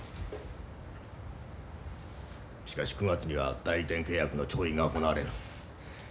しかし９月には代理店契約の調印が行われる。